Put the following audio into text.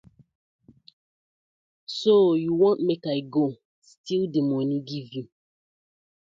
So you want mek I go still di money giv you?